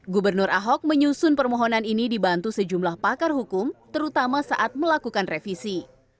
gubernur ahok menyusun permohonan ini dibantu sejumlah pakar hukum terutama saat melakukan revisi